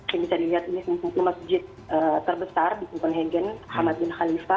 yang bisa dilihat ini masjid terbesar di copenhagen ahmad bin khalifa